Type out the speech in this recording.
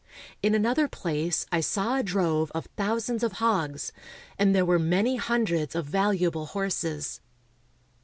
In another place I saw a drove of thousands of hogs, and there were many hundreds of valuable horses.